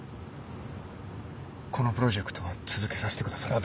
このプロジェクトは続けさせてください。